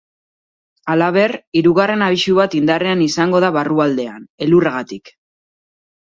Halaber, hirugarren abisu bat indarrean izango da barrualdean, elurragatik.